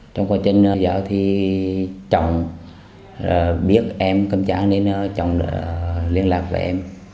trong quá trình giao thì chồng biết em cầm trang nên chồng liên lạc với em